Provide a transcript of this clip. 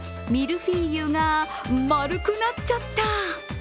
ミルフィーユが丸くなっちゃった。